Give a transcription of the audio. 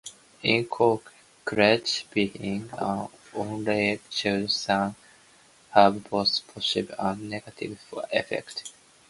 In conclusion, being an only child can have both positive and negative effects.